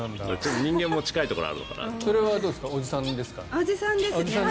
人間も近いところがあるのかなと。